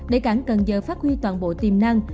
để cảng cần giờ phát huy toàn bộ tiềm năng